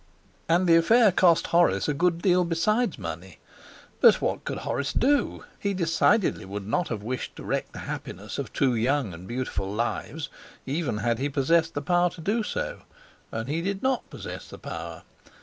And the affair cost Horace a good deal besides money. But what could Horace do? He decidedly would not have wished to wreck the happiness of two young and beautiful lives, even had he possessed the power to do so. And he did not possess the power.